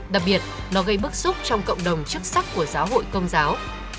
đặc biệt nó gây bức xúc trong cộng đồng chức sắc của giáo hội công giáo